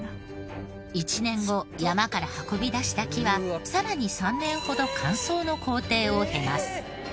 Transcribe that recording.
１年後山から運び出した木はさらに３年ほど乾燥の工程を経ます。